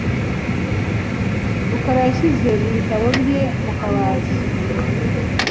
rukara yashyize ibitabo bye mu kabati .